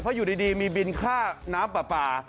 เพราะอยู่ดีมีบินค่าน้ำปลา